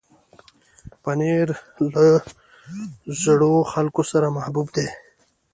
پنېر له زړو خلکو سره محبوب دی.